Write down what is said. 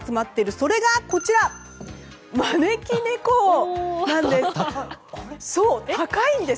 それが、招き猫なんです。